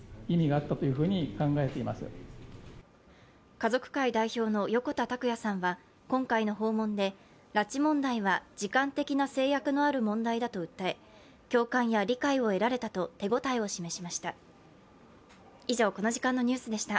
家族会代表の横田拓也さんは今回の訪問で、拉致問題は時間的な制約のある問題だと訴え共感や理解を得られたと手応えを示しました。